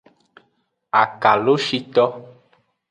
Akalushito.